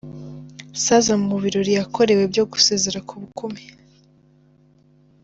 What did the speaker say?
Sarah mu birori yakorewe byo gusezera ku bukumi.